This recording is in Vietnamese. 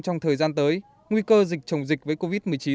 trong thời gian tới nguy cơ dịch chồng dịch với covid một mươi chín